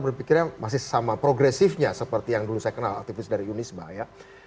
berpikir yang masih sama progresifnya seperti yang dulu saya kenal aktivis dari unis bahaya